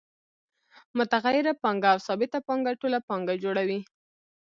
متغیره پانګه او ثابته پانګه ټوله پانګه جوړوي